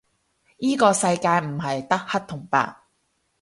依個世界唔係得黑同白